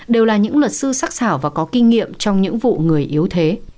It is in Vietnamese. đều là những luật sư sắc xảo và có kinh nghiệm trong những vụ người yếu thế